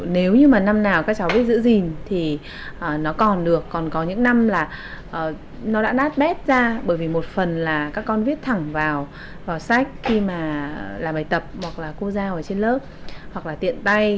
nếu như mà năm nào các cháu biết giữ gìn thì nó còn được còn có những năm là nó đã nát bét ra bởi vì một phần là các con viết thẳng vào sách khi mà làm bài tập hoặc là cô giao ở trên lớp hoặc là tiện tay